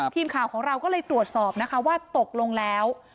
ทีมข่าวของเราก็เลยตรวจสอบนะคะว่าตกลงแล้ว